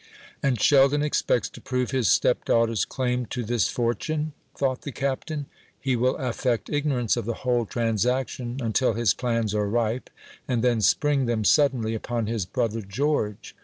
"And Sheldon expects to prove his stepdaughter's claim to this fortune?" thought the Captain. "He will affect ignorance of the whole transaction until his plans are ripe, and then spring them suddenly upon his brother George.